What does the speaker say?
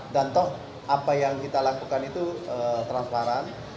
dan toh apa yang kita lakukan itu transparan